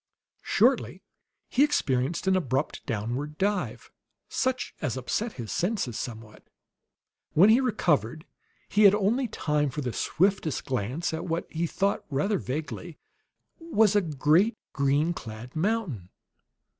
Shortly he experienced an abrupt downward dive, such as upset his senses somewhat. When he recovered, he had time for only the swiftest glance at what, he thought rather vaguely, was a great green clad mountain.